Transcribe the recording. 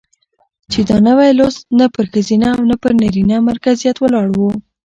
چې دا نوى لوست نه پر ښځينه او نه پر نرينه مرکزيت ولاړ و،